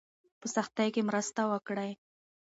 په سختۍ کې مرسته وکړئ.